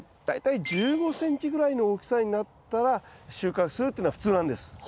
大体１５ｃｍぐらいの大きさになったら収穫するっていうのが普通なんです。